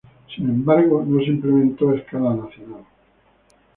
Sin embargo, no se implementó a escala nacional.